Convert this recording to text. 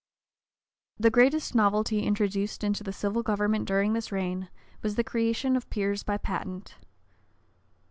The greatest novelty introduced into the civil government during this reign was the creation of peers by patent.